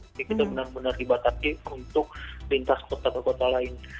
jadi kita benar benar dibatasi untuk lintas kota atau kota lain